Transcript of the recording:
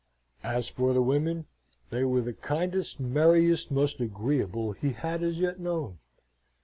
As for the women, they were the kindest, merriest, most agreeable he had as yet known.